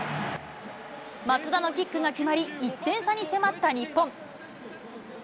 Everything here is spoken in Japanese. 松田のキックが決まり、１点差に迫った日本。